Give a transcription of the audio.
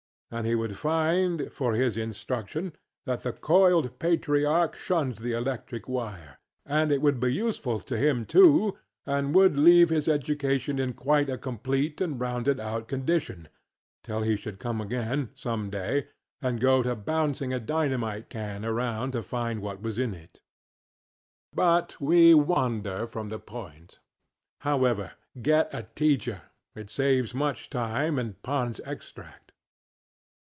And he would find, for his instruction, that the coiled patriarch shuns the electric wire; and it would be useful to him, too, and would leave his education in quite a complete and rounded out condition, till he should come again, some day, and go to bouncing a dynamite can around to find out what was in it. But we wander from the point. However, get a teacher; it saves much time and PondŌĆÖs Extract.